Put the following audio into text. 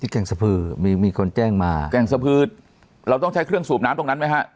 แก่งสะพือมีมีคนแจ้งมาแก่งสะพือเราต้องใช้เครื่องสูบน้ำตรงนั้นไหมฮะ